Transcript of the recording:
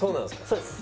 そうです。